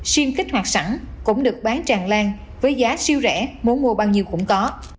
sim kích hoạt sẵn cũng được bán tràn lan với giá siêu rẻ muốn mua bao nhiêu cũng có